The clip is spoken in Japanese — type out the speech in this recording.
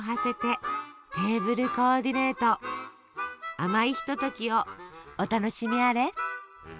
甘いひとときをお楽しみあれ。